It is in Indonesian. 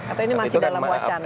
atau ini masih dalam wacana